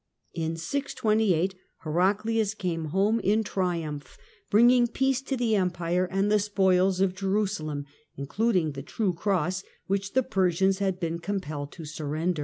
In 628 Heraclius came home in triumph, bringing peace to the Empire and the spoils of Jerusalem, including the " True Cross," which the Persians had been compelled to surrender.